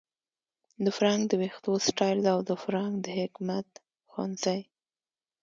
د فرانک د ویښتو سټایل او د فرانک د حکمت ښوونځي